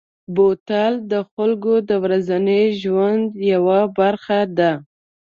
بوتل د خلکو د ورځني ژوند یوه برخه ده.